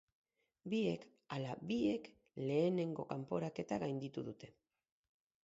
Biek ala biek lehenengo kanporaketa gainditu dute.